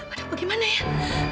aduh gimana ya